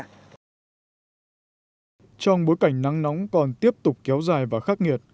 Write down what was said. trong bối cảnh nắng nóng còn tiếp tục kéo dài và khắc nghiệt